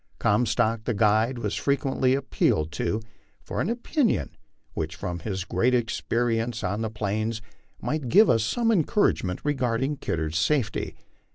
Comstock, the guide, was frequently appealed to for an opinion which, from his great experience on the Plains, might give us some encouragement regarding Kidder's safety.